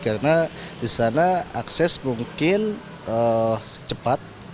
karena di sana akses mungkin cepat